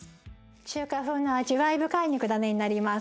中華風の味わい深い肉だねになります。